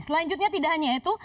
selanjutnya tidak hanya itu